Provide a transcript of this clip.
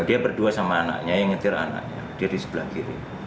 dia berdua sama anaknya yang ngejar anaknya dia di sebelah kiri